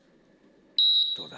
どうだ？